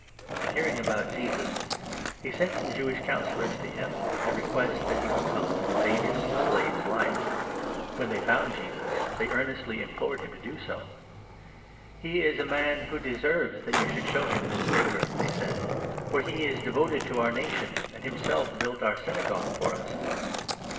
And, hearing about 3 Jesus, he sent some Jewish Councillors to him, with the request that he would come and save his slave's life. When 4 they found Jesus, they earnestly implored him to do so. " He is a man who deserves that you should show him this favour," they said, " for he is devoted to our nation, and him 5 self built our Synagogue for us."